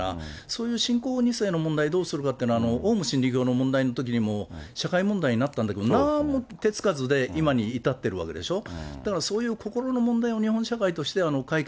そういう信仰２世の問題どうするかっていうのは、オウム真理教の問題のときにも社会問題になったんだけれども、なんも手付かずで今に至ってるわけでしょ。